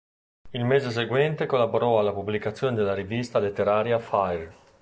Il mese seguente collaborò alla pubblicazione della rivista letteraria "Fire!!